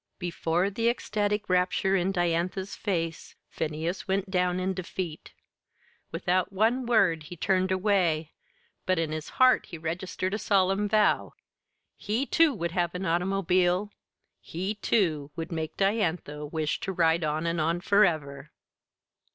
Before the ecstatic rapture in Diantha's face Phineas went down in defeat. Without one word he turned away but in his heart he registered a solemn vow: he, too, would have an automobile; he, too, would make Diantha wish to ride on and on forever!